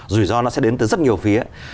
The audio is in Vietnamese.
rủi ro nó sẽ đến từ rất nhiều phía